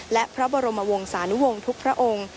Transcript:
และพระบรมวงศานุวงศ์ทุกพระองค์